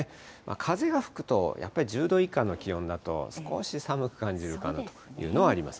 風が吹くと、やっぱり１０度以下の気温だと、少し寒く感じるかなというのはあります。